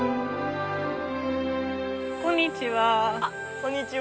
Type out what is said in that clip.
こんにちは。